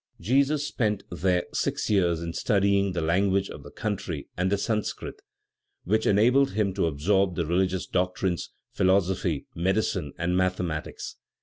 Jesus spent there six years in studying the language of the country and the Sanscrit, which enabled him to absorb the religious doctrines, philosophy, medicine and mathematics.